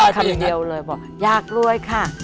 คำเดียวเลยบอกอยากรวยค่ะ